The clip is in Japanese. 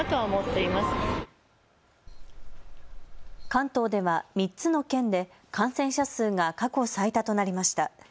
関東では３つの県で感染者数が過去最多となりました。